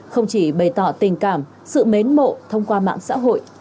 không chỉ bày tỏ tình cảm sự mến mộ thông qua mạng xã hội